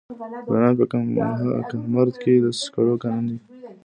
د بامیان په کهمرد کې د سکرو کانونه دي.